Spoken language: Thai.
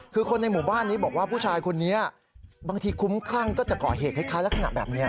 คือคนในหมู่บ้านนี้บอกว่าผู้ชายคนนี้บางทีคุ้มคลั่งก็จะก่อเหตุคล้ายลักษณะแบบนี้